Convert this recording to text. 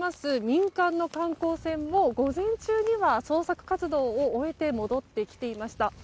民間の観光船も午前中には捜索活動を終えて戻ってきていました。